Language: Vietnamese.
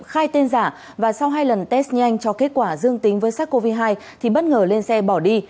hai lần test nhanh cho kết quả dương tính với sars cov hai thì bất ngờ lên xe bỏ đi